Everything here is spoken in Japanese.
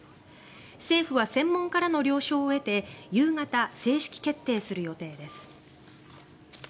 政府は専門家らの了承を得て夕方、正式決定する予定です。